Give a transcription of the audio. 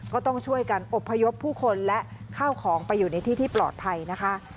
ก็ต้องช่วยกันอบพยพผู้คนและข้าวของไปอยู่ในที่ที่ปลอดภัยนะคะ